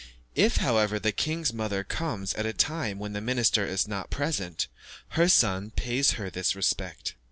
If, however, the king's mother comes at a time when the minister is not present, her son pays her this respect.